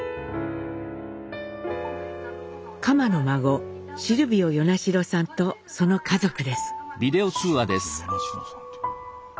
蒲の孫シルビオ・与那城さんとその家族です。